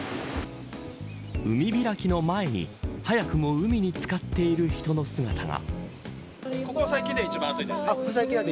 海開きの前に早くも海に漬かっている人の姿が。